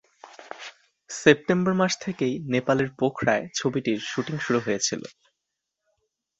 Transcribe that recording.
September মাস থেকেই নেপালের পোখরায় ছবিটির শুটিং শুরু হয়েছিল।